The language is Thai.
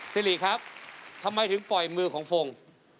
สิริครับทำไมถึงปล่อยมือของฟง